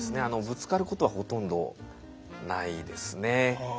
ぶつかることはほとんどないですね。